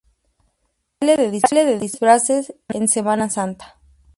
Baile de disfraces en Semana Santa.